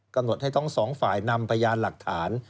หดให้ทั้งสองฝ่ายนำพยานหลักฐาน